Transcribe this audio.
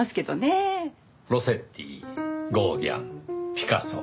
ロセッティゴーギャンピカソ。